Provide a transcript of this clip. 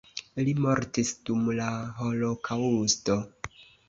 Li mortis dum la holokaŭsto.